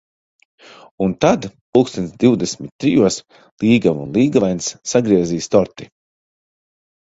Un tad, pulkstens divdesmit trijos, līgava un līgavainis sagriezīs torti.